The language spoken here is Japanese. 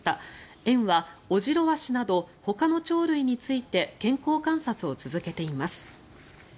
園はオジロワシなどほかの鳥類について健康観察を続けています。